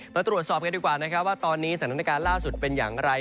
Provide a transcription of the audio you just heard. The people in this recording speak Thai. มาตรวจสอบกันดีกว่านะครับว่าตอนนี้สถานการณ์ล่าสุดเป็นอย่างไร